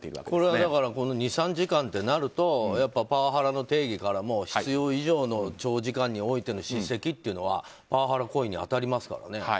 これは、２３時間ってなるとパワハラの定義からも必要以上の長時間においての叱責というのはパワハラ行為に当たりますからね。